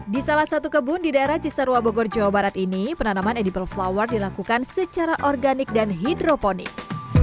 di salah satu kebun di daerah cisarua bogor jawa barat ini penanaman edible flower dilakukan secara organik dan hidroponis